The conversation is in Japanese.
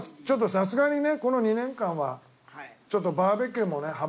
ちょっとさすがにねこの２年間はちょっとバーベキューもね